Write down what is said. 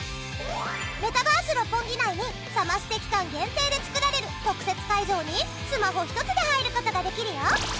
メタバース六本木内にサマステ期間限定で作られる特設会場にスマホ１つで入る事ができるよ。